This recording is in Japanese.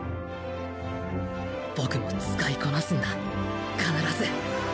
僕も使いこなすんだ必ず